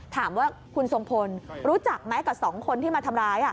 ถามว่าคุณทรงพลรู้จักไหมกับสองคนที่มาทำร้าย